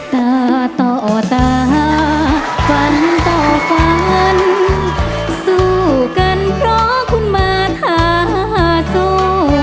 ตาต่อตาฝันต่อฝันสู้กันเพราะคุณมาทาสู้